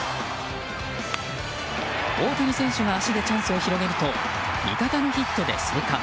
大谷選手が足でチャンスを広げると味方のヒットで生還。